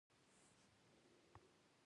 په افغانستان کې به پيدا ش؟